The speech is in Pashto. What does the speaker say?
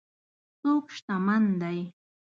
څوک شتمن دی.